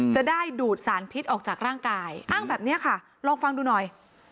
จะได้ดูดสารพิษออกจากร่างกายอ้างแบบนี้ค่ะลองฟังดูหน่อย